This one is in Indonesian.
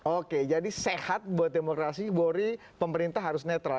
oke jadi sehat buat demokrasi bory pemerintah harus netral